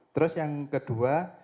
terus yang kedua